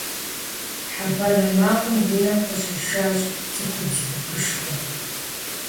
Хьэ банэ макъым унэм къыщӀишащ цӀыхубз гупышхуэ.